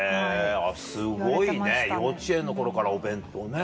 すごいね幼稚園の頃からお弁当をね